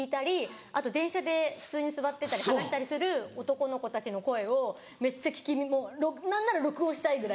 あと電車で普通に座ってたり話したりする男の子たちの声をめっちゃ聞き耳何なら録音したいぐらいな。